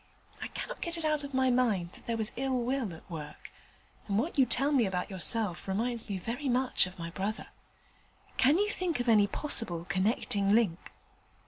I cannot get it out of my mind that there was ill will at work, and what you tell me about yourself reminds me very much of my brother. Can you think of any possible connecting link?'